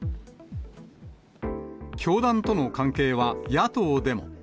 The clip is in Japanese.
教団との関係は野党でも。